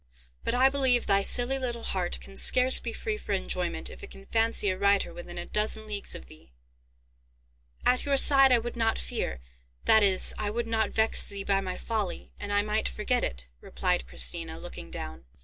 But I believe thy silly little heart can scarce be free for enjoyment if it can fancy a Reiter within a dozen leagues of thee." "At your side I would not fear. That is, I would not vex thee by my folly, and I might forget it," replied Christina, looking down.